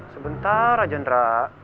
sebentar aja ndra